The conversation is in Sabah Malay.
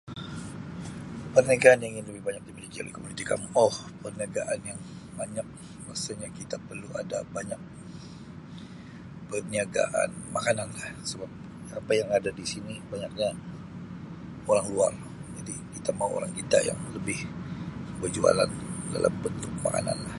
Perniagaan yang lebih banyak. [unintelligible] Um Perniagaan yang banyak rasanya kita perlu ada banyak perniagaan makanan lah sebab apa yang ada di sini banyaknya orang luar, jadi kita mau orang kita yang lebih berjualan dalam bentuk makanan lah